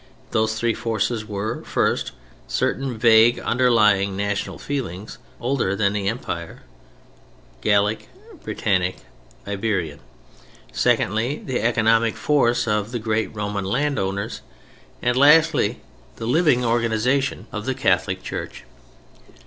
Those three forces were: first, certain vague underlying national feelings, older than the Empire, Gallic, Brittanic, Iberian; secondly, the economic force of the great Roman landowners, and, lastly, the living organization of the Catholic Church.